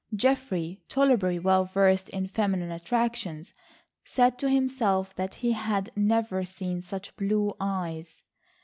Geoffrey, tolerably well versed in feminine attractions, said to himself that he had never seen such blue eyes.